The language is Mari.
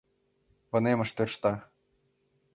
Вынемыш тӧршта.